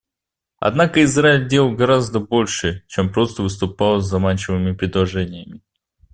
Однако Израиль делал гораздо больше, чем просто выступал с заманчивыми предложениями.